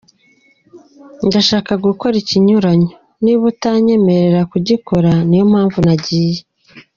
Ndashaka gukora ikinyuranyo, niba utanyemerera kugikora, niyo mpamvu nagiye.